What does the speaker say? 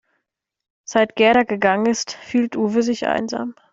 Seit Gerda gegangen ist, fühlt Uwe sich einsam.